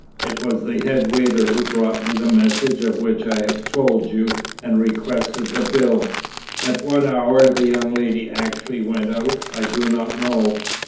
It was the head waiter who brought me the message of which I have told you, and requested the bill. At what hour the young lady actually went out, I do not know.